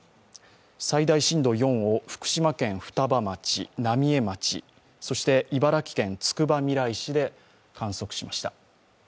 最大震度４を福島県双葉町、浪江町、そして茨城県つくばみらい市で観測しました。